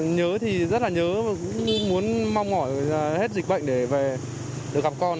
nhớ thì rất là nhớ và muốn mong mỏi hết dịch bệnh để về được gặp con